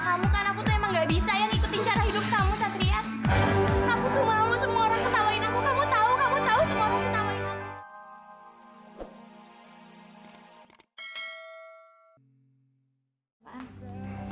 semua orang ketawain aku kamu tahu kamu tahu semua orang ketawain aku